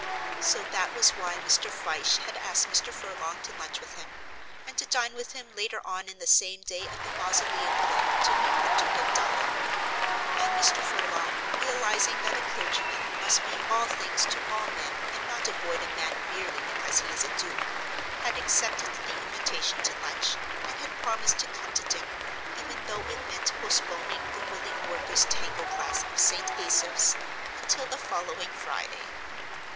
So that was why Mr. Fyshe had asked Mr. Furlong to lunch with him, and to dine with him later on in the same day at the Mausoleum Club to meet the Duke of Dulham. And Mr. Furlong, realizing that a clergyman must be all things to all men and not avoid a man merely because he is a duke, had accepted the invitation to lunch, and had promised to come to dinner, even though it meant postponing the Willing Workers' Tango Class of St. Asaph's until the following Friday.